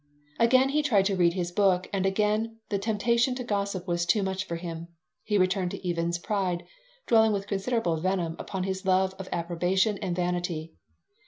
Again he tried to read his book and again the temptation to gossip was too much for him. He returned to Even's pride, dwelling with considerable venom upon his love of approbation and vanity.